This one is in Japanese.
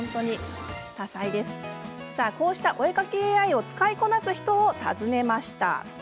こうした、お絵描きＡＩを使いこなす人を訪ねました。